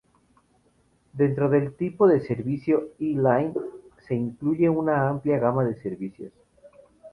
Dentro del tipo de servicio E-Line se incluye una amplia gama de servicios.